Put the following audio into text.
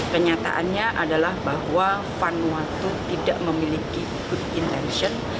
kenyataannya adalah bahwa vanuatu tidak memiliki kemampuan